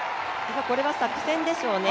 これは作戦でしょうね。